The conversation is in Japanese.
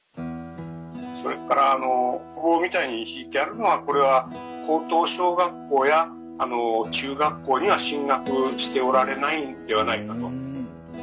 それからあの棒みたいに引いてあるのはこれは高等小学校や中学校には進学しておられないんではないかと。